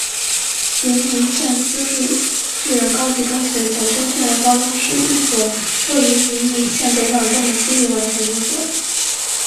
云林县私立巨人高级中学简称巨人高中是一所位于云林县北港镇的私立完全中学。